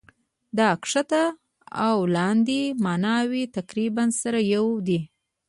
د کښته او لاندي ماناوي تقريباً سره يو دي.